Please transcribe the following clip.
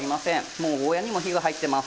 もうゴーヤーにも火が入っています。